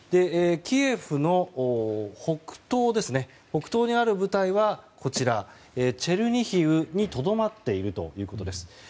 キエフの北東にある部隊はチェルニヒウにとどまっているということです。